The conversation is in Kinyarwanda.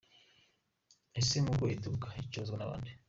Ese Mugo iturukahe icuruzwa na bande?.